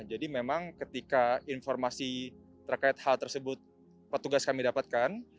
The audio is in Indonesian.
jadi memang ketika informasi terkait hal tersebut petugas kami dapatkan